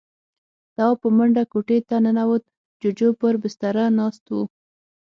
تواب په منډه کوټې ته ننوت. جُوجُو پر بستره ناست و.